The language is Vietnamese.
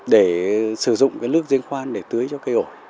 để sử dụng cái nước giếng khoan để tưới cho cây ổ